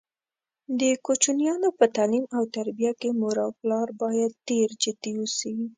د کوچینیانو په تعلیم او تربیه کې مور او پلار باید ډېر جدي اوسي.